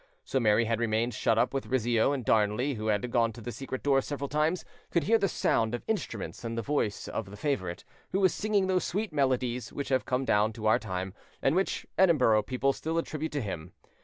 So Mary had remained shut up with Rizzio, and Darnley, who had gone to the secret door several times, could hear the sound of instruments and the voice of the favourite, who was singing those sweet melodies which have come down to our time, and which Edinburgh people still attribute to him.